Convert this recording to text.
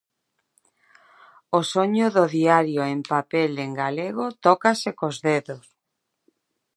O soño do diario en papel en galego tócase cos dedos.